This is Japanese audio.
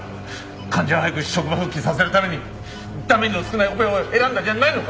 患者を早く職場復帰させるためにダメージの少ないオペを選んだんじゃないのか！？